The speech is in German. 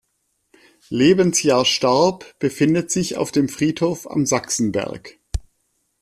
Lebensjahr starb, befindet sich auf dem Friedhof am Sachsenberg.